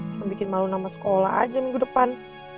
cuma bikin malu nama sekolah aja minggu depan